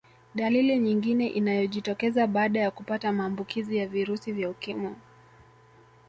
Dalili nyingine inayojitokeza baada ya kupata maambukizi ya virusi vya ukimwi